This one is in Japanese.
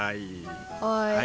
はい。